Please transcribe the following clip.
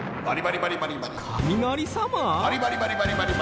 バリバリバリバリバリバリ。